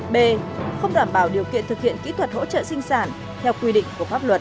b không đảm bảo điều kiện thực hiện kỹ thuật hỗ trợ sinh sản theo quy định của pháp luật